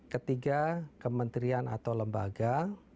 ketiga kementerian atau lembaga